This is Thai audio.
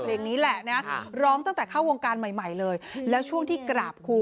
เพลงนี้แหละนะร้องตั้งแต่เข้าวงการใหม่ใหม่เลยแล้วช่วงที่กราบครู